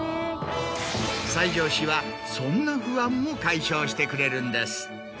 西条市はそんな不安も解消してくれるんです。